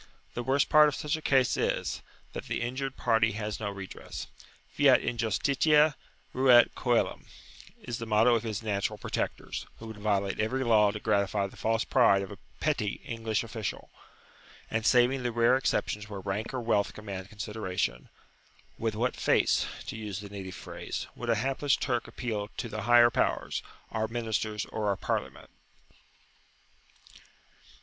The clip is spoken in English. The worst part of such a case is, that the injured party has no redress. "Fiat injustitia, ruat coelum," is the motto of his "natural protectors," who would violate every law to gratify the false pride of a petty English official. And, saving the rare exceptions where rank or wealth command consideration, with what face, to use the native phrase, would a hapless Turk appeal to the higher powers, our ministers or our Parliament?